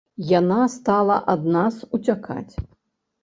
Яна стала ад нас уцякаць.